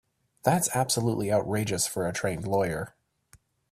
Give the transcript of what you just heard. That's absolutely outrageous for a trained lawyer.